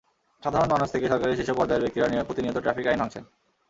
সাধারণ মানুষ থেকে সরকারের শীর্ষ পর্যায়ের ব্যক্তিরা প্রতিনিয়ত ট্রাফিক আইন ভাঙছেন।